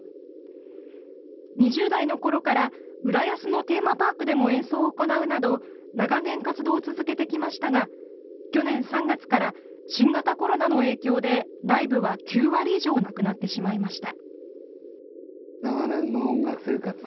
２０代のころから、浦安のテーマパークでも演奏を行うなど長年、活動を続けてきましたが去年３月から新型コロナの影響でライブは９割以上なくなってしまいました。